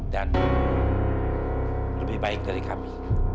dan lebih baik dari kami